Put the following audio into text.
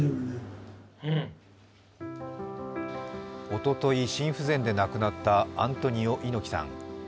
おととい、心不全で亡くなったアントニオ猪木さん。